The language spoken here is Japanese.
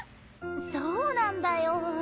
そうなんだよ。